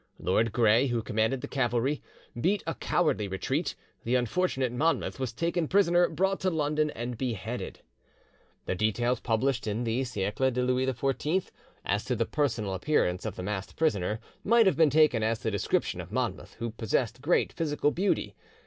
Lord Gray, who commanded the cavalry, beat a cowardly retreat, the unfortunate Monmouth was taken prisoner, brought to London, and beheaded. The details published in the 'Siecle de Louis XIV' as to the personal appearance of the masked prisoner might have been taken as a description of Monmouth, who possessed great physical beauty.